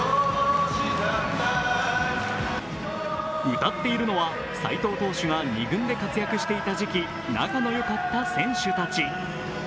歌っているのは斎藤投手が２軍で活躍していた時期、仲のよかった選手たち。